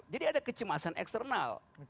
jadi ada kecemasan eksternal